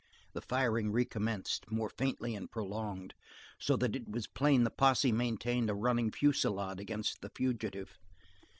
The firing recommenced, more faintly and prolonged, so that it was plain the posse maintained a running fusilade after the fugitive.